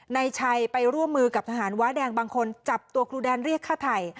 นายชัยไปร่วมมือกับทหารว้าแดงบางคนจับตัวครูแดนเรียกฆ่าไทย